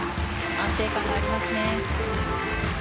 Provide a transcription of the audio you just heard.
安定感がありますね。